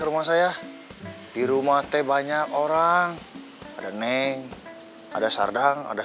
bawa sarapan segala ya rumah saya di rumah teh banyak orang ada neng ada sardang ada